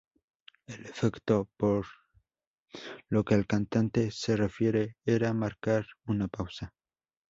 El efecto, por lo que el cantante se refiere, era marcar una pausa.